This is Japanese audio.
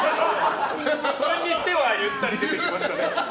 それにしてはゆっくり出てきましたね。